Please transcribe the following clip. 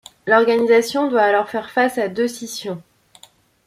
L’organisation doit alors faire face à deux scissions.